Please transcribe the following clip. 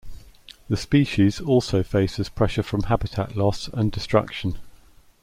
The species also faces pressure from habitat loss and destruction.